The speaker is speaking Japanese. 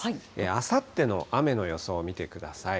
あさっての雨の予想見てください。